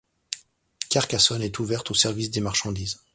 Carcassonne est ouverte au service des marchandises.